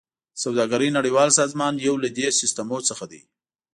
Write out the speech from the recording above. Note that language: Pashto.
د سوداګرۍ نړیوال سازمان یو له دې سیستمونو څخه دی